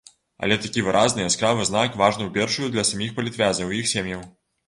Але такі выразны, яскравы знак важны у першую для саміх палітвязняў і іх сем'яў.